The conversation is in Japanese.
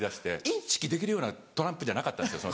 インチキできるようなトランプじゃなかったんですよ